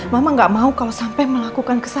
mama gak mau kalau sampai melakukan kesalahan